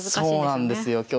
そうなんですよ。